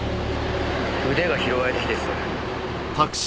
腕が拾われた日です。